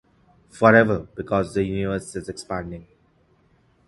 forever because the universe is expanding